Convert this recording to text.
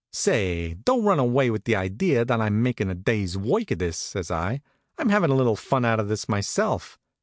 "Say, don't run away with the idea that I'm makin' a day's work of this," says I. "I'm havin' a little fun out of this myself.